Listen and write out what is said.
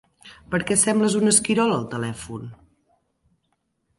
Per què sembles un esquirol al telèfon?